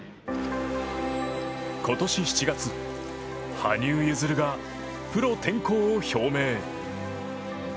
今年７月、羽生結弦がプロ転向を表明。